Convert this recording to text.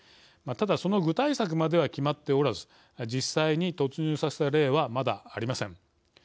ただ、その具体策までは決まっておらず実際に突入させた例はまだありません。